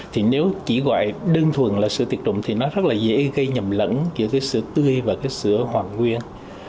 thì nếu chỉ gọi đơn thuần là sữa tiệt trùng thì nó rất là dễ gây nhầm lẫn giữa sữa tươi và sữa hoàn nguyên